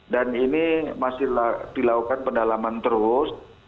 ini masih dilakukan pendalaman terus